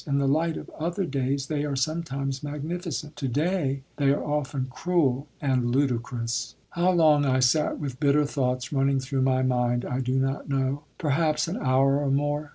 In the light of other days they are sometimes magnificent. Today they are often cruel and ludicrous. How long I sat with bitter thoughts running through my mind I do not know; perhaps an hour or more.